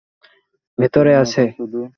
আমাকে ভিতরে যেতে দেন, আমার মেয়ে ভিতরে আছে।